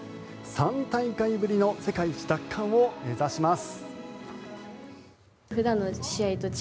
３大会ぶりの世界一奪還を目指します。